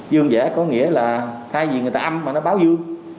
dương giả có nghĩa là thay vì người ta âm mà nó báo dương